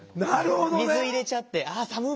水入れちゃって「あっ寒っ！」